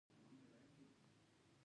یو لوری هم خپل نظر په بشپړه معنا نه رسوي.